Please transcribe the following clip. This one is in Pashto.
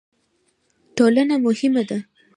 ټولنه مهمه ده.